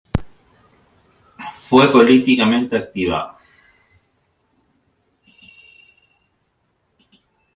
Fue políticamente activa.